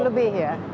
dua puluh lebih ya